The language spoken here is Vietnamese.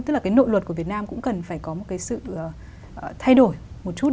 tức là cái nội luật của việt nam cũng cần phải có một cái sự thay đổi một chút